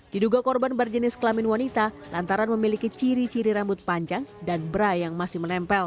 diduga korban berjenis kelamin wanita lantaran memiliki ciri ciri rambut panjang dan bra yang masih menempel